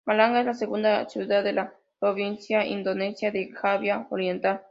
Malang es la segunda ciudad de la provincia indonesia de Java Oriental.